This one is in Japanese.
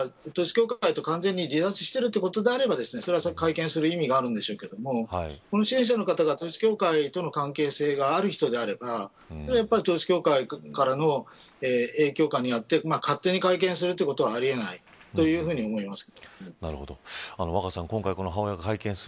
いわば統一教会から完全に離脱しているということであればそれは会見をする意味があるんでしょうけれどもこの支援者の方が統一教会との関係性がある人であればそれは、統一教会からの影響下にあって勝手に会見をするということはあり得ないというふうに思います。